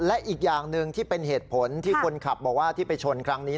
และอีกอย่างหนึ่งที่เป็นเหตุผลที่คนขับบอกว่าที่ไปชนครั้งนี้